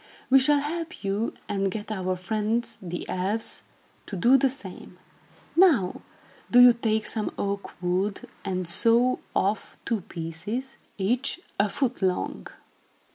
"We shall help you and get our friends, the elves, to do the same. Now, do you take some oak wood and saw off two pieces, each a foot long.